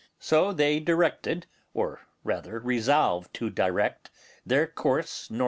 So they directed, or rather resolved to direct, their course N.W.